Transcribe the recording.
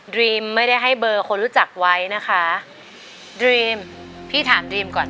รีมไม่ได้ให้เบอร์คนรู้จักไว้นะคะดรีมพี่ถามดรีมก่อน